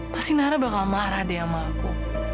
pasti nahra bakal marah deh sama aku